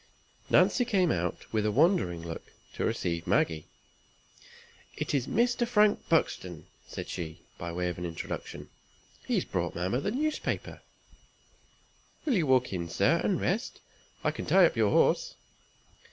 Nancy came out, with a wondering look, to receive Maggie. "It is Mr. Frank Buxton," said she, by way of an introduction. "He has brought mamma the newspaper." "Will you walk in, sir, and rest? I can tie up your horse."